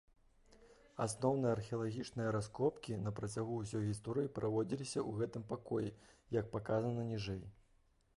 Асноўныя археалагічныя раскопкі на працягу ўсёй гісторыі праводзіліся ў гэтым пакоі, як паказана ніжэй.